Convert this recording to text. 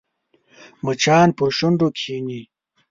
مچان پر شونډو کښېني